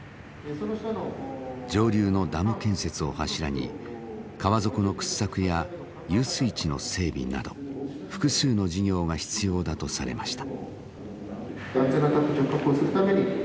上流のダム建設を柱に川底の掘削や遊水池の整備など複数の事業が必要だとされました。